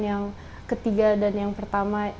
yang ketiga dan yang pertama